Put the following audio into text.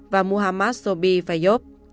và muhammad sobhi fayyob